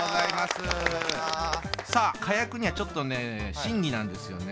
さあ賀屋君にはちょっとね審議なんですよね。